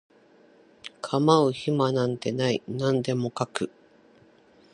構う暇なんてない何でも描く